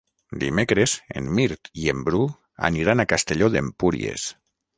Dimecres en Mirt i en Bru aniran a Castelló d'Empúries.